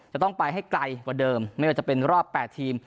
จะต้องไปให้ไกลกว่าเดิมไม่ว่าจะเป็นรอบ๘ทีม